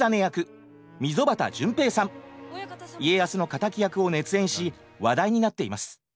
家康の敵役を熱演し話題になっています。